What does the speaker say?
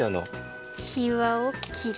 きわをきる。